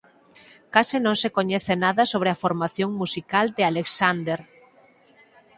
Case non se coñece nada sobre a formación musical de Alexander.